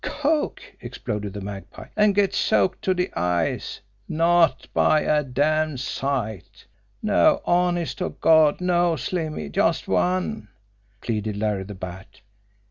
"Coke!" exploded the Magpie. "An' get soaked to de eyes not by a damn sight!" "No! Honest to Gawd, no, Slimmy just one!" pleaded Larry the Bat.